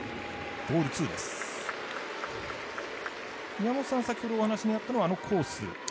宮本さん、先ほどお話にあったあのコース。